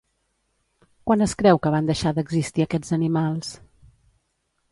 Quan es creu que van deixar d'existir aquests animals?